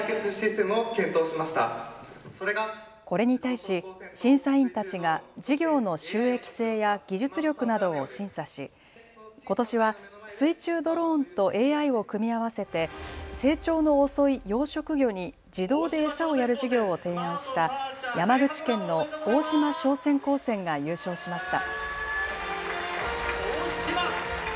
これに対し審査員たちが事業の収益性や技術力などを審査しことしは水中ドローンとＡＩを組み合わせて成長の遅い養殖魚に自動で餌をやる事業を提案した山口県の大島商船高専が優勝しました。